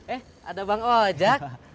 eh ada bang ojak